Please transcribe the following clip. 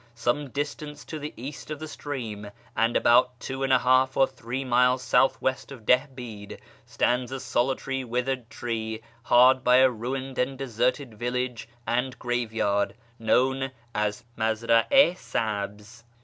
Some distance to the east of the stream, and about two and a half or three miles south west of Dihbid, stands a solitary withered tree hard by a ruined and deserted village and grave yard known as Mazra'i Sabz.